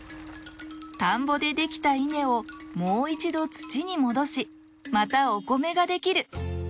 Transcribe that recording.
田んぼでできた稲をもう一度土に戻しまたお米ができる。